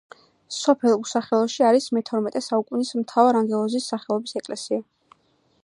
სოფელ უსახელოში არის მეთორმეტე საუკუნის მთავარანგელოზის სახელობის ეკლესია